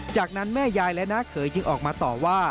จากนั้นแม่ยายและน้าเขยจึงออกมาต่อว่า